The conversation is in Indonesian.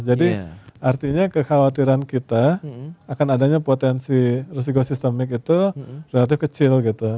jadi artinya kekhawatiran kita akan adanya potensi risiko sistemik itu relatif kecil gitu